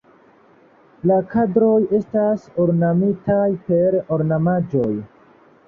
La kadroj estas ornamitaj per ornamaĵoj.